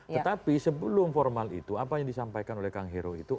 tetapi sebelum formal itu apa yang disampaikan oleh kang hero itu